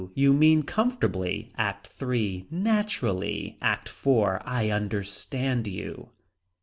You mean comfortably. ACT III. Naturally. ACT IV. I understand you.